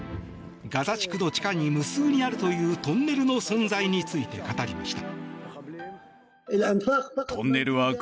ガザ地区の地下に無数にあるというトンネルの存在について語りました。